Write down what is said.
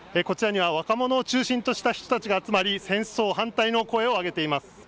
こちらには若者を中心とした人たちが集まり戦争反対の声を上げています。